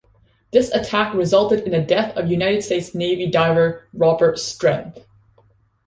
This attack resulted in the death of United States Navy diver Robert Stethem.